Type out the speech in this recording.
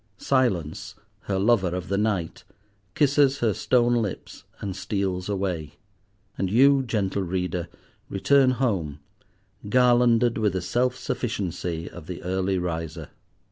Silence, her lover of the night, kisses her stone lips, and steals away. And you, gentle Reader, return home, garlanded with the self sufficiency of the early riser.